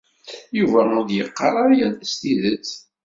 Yuba ur d-iqqar ara yal ass tidet.